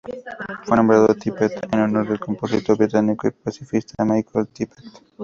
Fue nombrado Tippett en honor del compositor británico y pacifista Michael Tippett.